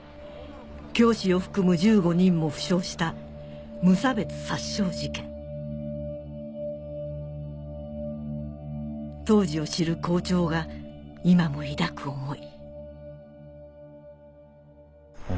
教師を含む１５人も負傷した無差別殺傷事件当時を知る校長が今も抱く思い